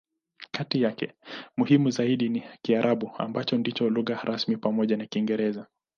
Kati yake, muhimu zaidi ni Kiarabu, ambacho ndicho lugha rasmi pamoja na Kiingereza.